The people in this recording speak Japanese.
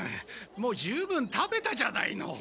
もう十分食べたじゃないの。